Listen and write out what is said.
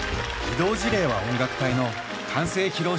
「異動辞令は音楽隊！」の完成披露